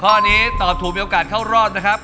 ข้อนี้ตอบถูกมีโอกาสเข้ารอบนะครับ